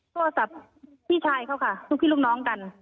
โทรศัพท์พี่ชายเขาค่ะลูกพี่ลูกน้องกัน